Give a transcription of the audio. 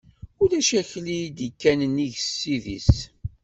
Ulac akli i d-ikkan nnig ssid-is.